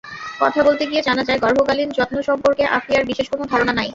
কথা বলতে গিয়ে জানা যায়, গর্ভকালীন যত্ন সম্পর্কে আফিয়ার বিশেষ কোনো ধারণা নাই।